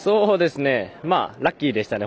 ラッキーでしたね。